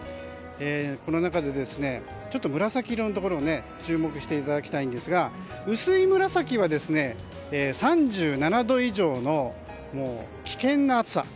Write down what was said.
この中で紫色のところを注目していただきたいんですが薄い紫は３７度以上の危険な暑さ。